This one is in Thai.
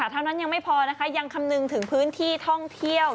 เท่านั้นยังไม่พอนะคะยังคำนึงถึงพื้นที่ท่องเที่ยว